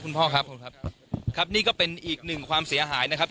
พ่อครับขอบคุณครับครับนี่ก็เป็นอีกหนึ่งความเสียหายนะครับ